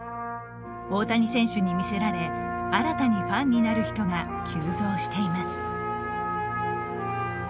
大谷選手に魅せられ新たにファンになる人が急増しています。